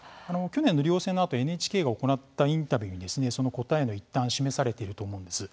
去年の竜王戦のあとＮＨＫが行ったインタビューにその答えの一端示されていると思うんです。